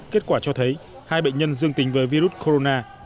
kết quả cho thấy hai bệnh nhân dương tính với virus corona